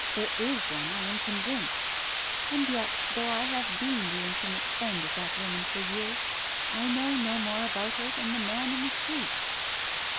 There is one I am convinced. And yet, though I have been the intimate friend of that woman for years, I know no more about her than the man in the street."